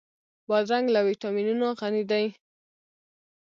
بادرنګ له ويټامینونو غني دی.